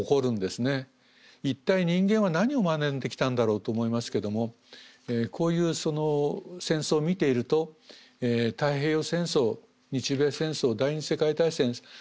一体人間は何を学んできたんだろうと思いますけどもこういう戦争を見ていると太平洋戦争日米戦争第２次世界大戦そういうところにですね